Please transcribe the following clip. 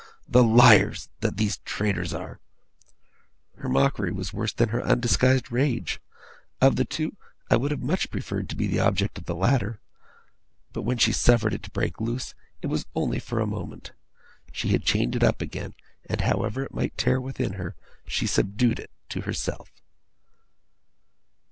The liars that these traders are!' Her mockery was worse than her undisguised rage. Of the two, I would have much preferred to be the object of the latter. But, when she suffered it to break loose, it was only for a moment. She had chained it up again, and however it might tear her within, she subdued it to herself.